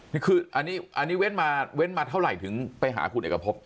นี่คืออันนี้เว่นมาเท่าไหร่ถึงไปหาคุณเอกภพ